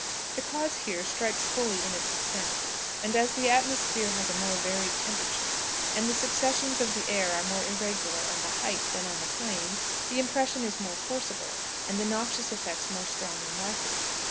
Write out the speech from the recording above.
The cause here strikes fully in its ascent; and as the atmosphere has a more varied temperature, and the succussions of the air are more irregular on the height than on the plain, the impression is more forcible, and the noxious effect more strongly marked.